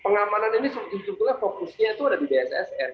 pengamanan ini sebetulnya fokusnya itu ada di bssn